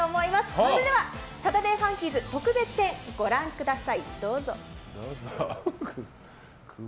それでは「サタデーファンキーズ」特別編ご覧ください。